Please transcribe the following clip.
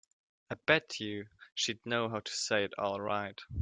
I bet you she'd know how to say it all right.